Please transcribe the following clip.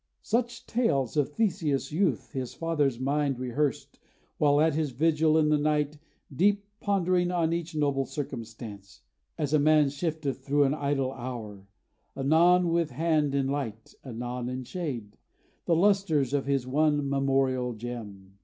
Such tales of Theseus' youth his father's mind Rehearsed, while at his vigil in the night, Deep pondering on each noble circumstance, As a man shifteth, thro' an idle hour, Anon with hand in light, anon in shade, The lustres of his one memorial gem.